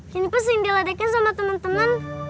janiper sering diladekin sama temen temen